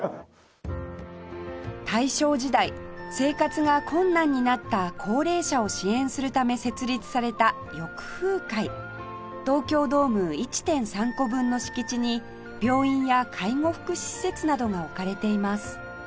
大正時代生活が困難になった高齢者を支援するため設立された浴風会東京ドーム １．３ 個分の敷地に病院や介護福祉施設などが置かれています